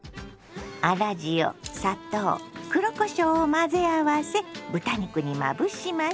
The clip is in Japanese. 粗塩砂糖黒こしょうを混ぜ合わせ豚肉にまぶします。